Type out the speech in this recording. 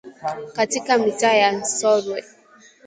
Katika mitaa ya Nsolwe